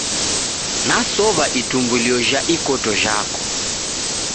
Nasow'a itumbulio jha ikoto jhako